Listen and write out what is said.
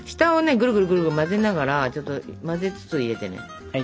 グルグルグルグル混ぜながらちょっと混ぜつつ入れてね。